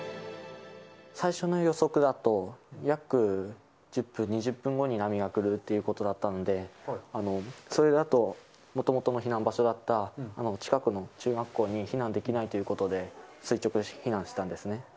最初の予測だと、約１０分、２０分後に波が来るということだったので、それだともともとの避難場所だった近くの中学校に避難できないということで、垂直避難したんですね。